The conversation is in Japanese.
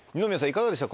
いかがでした？